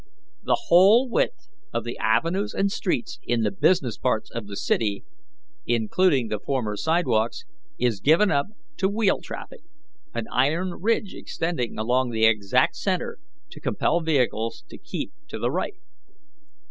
The whole width of the avenues and streets in the business parts of the city, including the former sidewalks, is given up to wheel traffic, an iron ridge extending along the exact centre to compel vehicles to keep to the right.